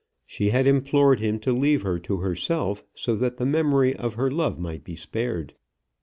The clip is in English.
She had implored him to leave her to herself, so that the memory of her love might be spared.